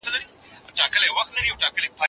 موږ باید هره ورځ نوی شی زده کړو.